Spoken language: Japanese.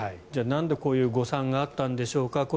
じゃあ、なんでこういう誤算があったんでしょうか。